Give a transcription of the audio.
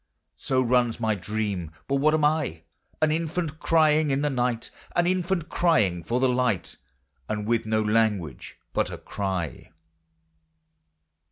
So runs my dream: but what am I? An infant crying in the night: An infant crying for the light: And with no language but a cry.